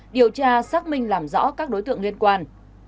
điều tra xác minh làm rõ các đối tượng liên quan